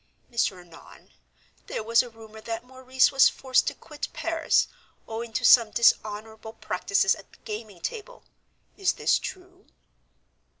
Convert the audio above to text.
Mr. Annon, there was a rumor that Maurice was forced to quit Paris, owing to some dishonorable practices at the gaming table. Is this true?"